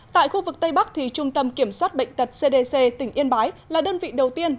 tại khu vực tây bắc trung tâm kiểm soát bệnh tật cdc tỉnh yên bái là đơn vị đầu tiên